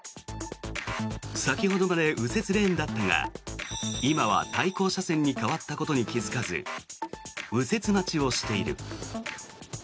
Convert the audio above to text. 先ほどまで右折レーンだったが今は対向車線に変わったことに気付かず右折待ちをしている。